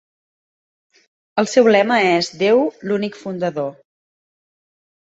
El seu lema és "Deu, l'únic fundador".